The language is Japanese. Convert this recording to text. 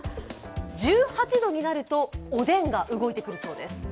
１８度になるとおでんが動いてくるそうです。